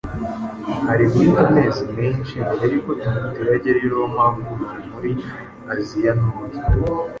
hari guhita amezi menshi mbere y’uko Timoteyo agera i Roma avuye muri Aziya Ntoya.